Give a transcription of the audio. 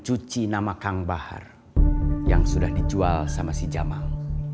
cuci nama kang bahar yang sudah dijual sama si jamal